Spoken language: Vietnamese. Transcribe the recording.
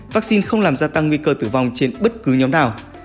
vaccine không làm gia tăng nguy cơ tử vong trên bất cứ nhóm nào